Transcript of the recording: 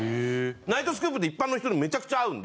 『ナイトスクープ』で一般の人とめちゃくちゃ会うんで。